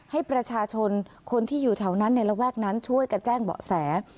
ให้ประชาชนคนที่อยู่แถวนั้นในระแวกนั้นช่วยกันแจ้งเบาะแส